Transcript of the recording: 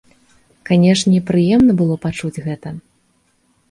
Канешне, прыемна было пачуць гэта.